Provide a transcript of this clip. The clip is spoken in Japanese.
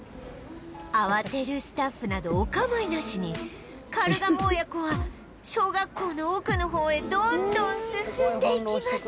慌てるスタッフなどお構いなしにカルガモ親子は小学校の奥の方へどんどん進んでいきます